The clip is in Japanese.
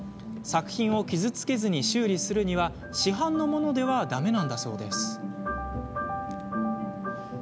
作品を傷つけずに修理するには市販のものではだめなんだそうです。